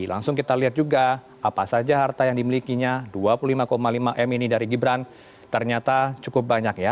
langsung kita lihat juga apa saja harta yang dimilikinya dua puluh lima lima m ini dari gibran ternyata cukup banyak ya